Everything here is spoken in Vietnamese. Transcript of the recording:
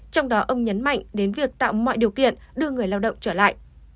trong đó ông nhấn mạnh đến việc tạo mọi điều kiện đưa người lao động trở lại